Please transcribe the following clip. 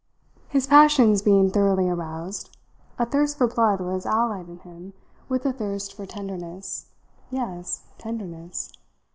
His passions being thoroughly aroused, a thirst for blood was allied in him with a thirst for tenderness yes, tenderness.